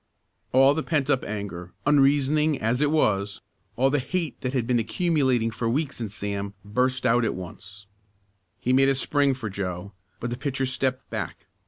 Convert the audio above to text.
All the pent up anger unreasoning as it was, all the hate that had been accumulating for weeks in Sam, burst out at once. He made a spring for Joe, but the pitcher stepped back.